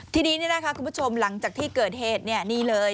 ทีนี้นะคะคุณผู้ชมหลังจากที่เกิดเหตุนี่เลย